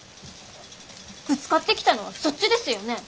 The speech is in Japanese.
ぶつかってきたのはそっちですよね？